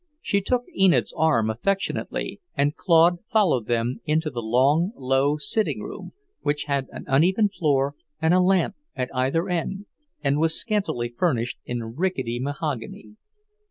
She took Enid's arm affectionately, and Claude followed them into the long, low sitting room, which had an uneven floor and a lamp at either end, and was scantily furnished in rickety mahogany.